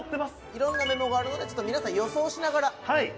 いろんなメモがあるので皆さん予想しながら。